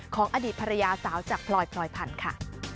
อดีตภรรยาสาวจากพลอยพลอยพันธุ์ค่ะ